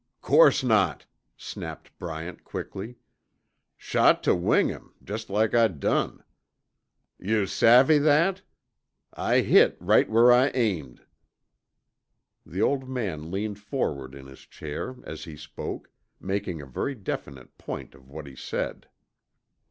"Course not," snapped Bryant quickly. "Shot tuh wing him, just like I done. Yuh savvy that? I hit right where I aimed!" The old man leaned forward in his chair as he spoke, making a very definite point of what he said.